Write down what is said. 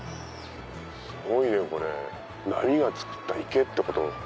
すごいねこれ波が作った池ってこと？